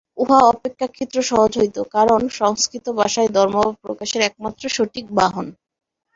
উহা অপেক্ষাকৃত সহজ হইত, কারণ সংস্কৃত ভাষাই ধর্মভাব প্রকাশের একমাত্র সঠিক বাহন।